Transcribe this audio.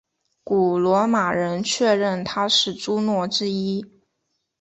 古罗马人确认她是朱诺之一。